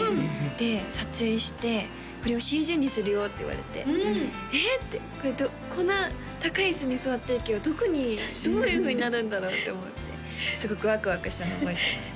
で撮影して「これをＣＧにするよ」って言われて「ええ！？」ってこんな高い椅子に座ってるけどどこにどういうふうになるんだろうって思ってすごくワクワクしたのを覚えてます